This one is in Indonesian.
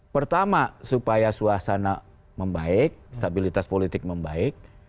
pertama supaya suasana membaik stabilitas politik membaik